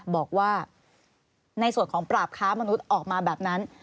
บอกว่าในส่วนของปราบค้ามนุษย์ออกมาแบบนั้น